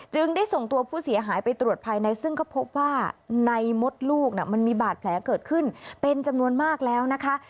ได้ส่งตัวผู้เสียหายไปตรวจภายในซึ่งก็พบว่าในมดลูกมันมีบาดแผลเกิดขึ้นเป็นจำนวนมากแล้วนะคะ